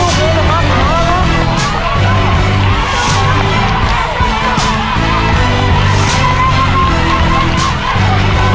เคลียร์เลยลูกเคลียร์ยายกับแม่เลยเลย